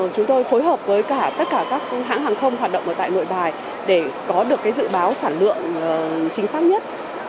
chúng tôi phối hợp với tất cả các hãng hàng không hoạt động ở tại nội bài để có được dự báo sản lượng chính xác nhất